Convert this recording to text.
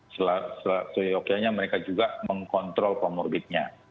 selain soeokianya mereka juga mengkontrol komorbidnya